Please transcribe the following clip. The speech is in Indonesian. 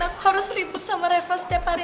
aku harus ribut sama reva setiap hari